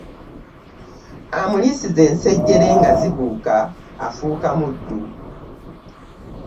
Omulisiza ensejjere nga zibuuka afuuka muddu .